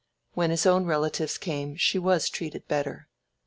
When his own relatives came she was treated better.